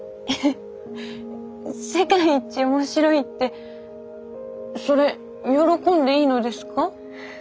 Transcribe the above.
世界一面白いってそれ喜んでいいのですか？